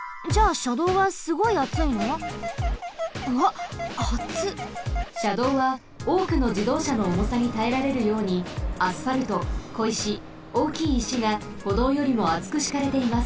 しゃどうはおおくのじどうしゃのおもさにたえられるようにアスファルトこいしおおきいいしがほどうよりもあつくしかれています。